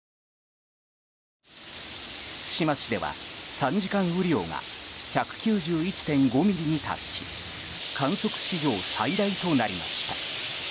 対馬市では、３時間雨量が１９１．５ミリに達し観測史上最大となりました。